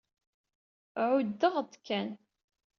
Ɛuddeɣ-d kan.